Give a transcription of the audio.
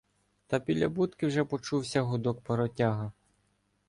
Та біля будки вже почувся гудок паротяга.